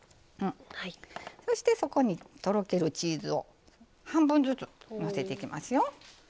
そしてそこにとろけるチーズを半分ずつのせていきますよ。